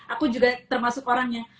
aku juga termasuk orangnya